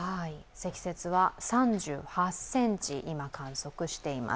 積雪は３８ｃｍ、今、観測しています。